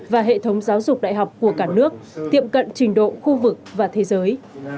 và hệ thống giáo dục đại học của cả nước tiệm cận trình độ khu vực và thế giới